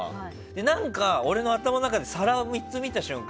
何か俺の頭の中で皿を３つ見た瞬間